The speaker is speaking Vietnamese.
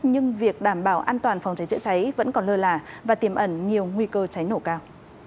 nhưng việc đảm bảo an toàn phòng cháy chữa cháy vẫn còn lơ là và tiềm ẩn nhiều nguy cơ cháy nổ cao